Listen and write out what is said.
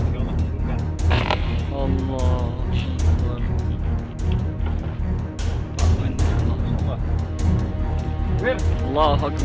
insyaallah kita akan berjalan